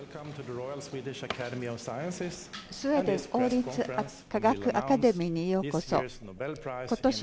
スウェーデン王立科学アカデミーにようこそ。